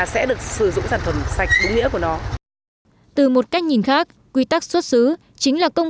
sẽ là rào cản thực sự cho các doanh nghiệp chưa sẵn sàng